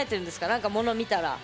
何かもの見たら。